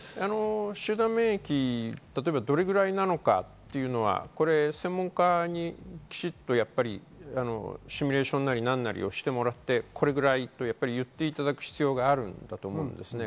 集団免疫、例えばどれぐらいなのかというのは専門家にきちんとシミュレーションなりをしてもらってこれくらいと言っていただく必要があるんだと思います。